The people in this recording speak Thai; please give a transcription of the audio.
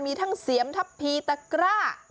มีทั้งเสียมทัพพีตะกร้า